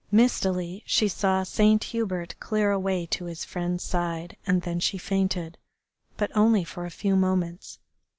Mistily she saw Saint Hubert clear a way to his friend's side, and then she fainted, but only for a few moments.